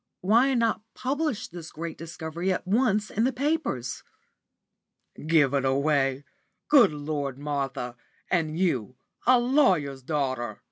"Why not publish this great discovery at once in the papers?" "Give it away! Good Lord, Martha and you a lawyer's daughter!"